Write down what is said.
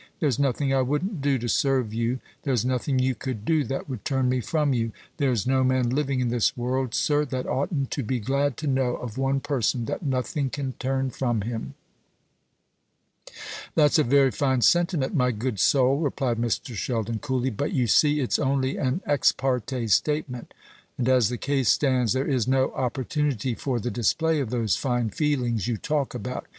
There's nothing I wouldn't do to serve you; there's nothing you could do that would turn me from you. There's no man living in this world, sir, that oughtn't to be glad to know of one person that nothing can turn from him." "That's a very fine sentiment, my good soul," replied Mr. Sheldon coolly; "but, you see, it's only an ex parte statement; and as the case stands there is no opportunity for the display of those fine feelings you talk about.